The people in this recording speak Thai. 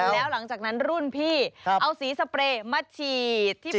แล้วหลังจากนั้นรุ่นพี่เอาสีสเปรย์มาฉีดที่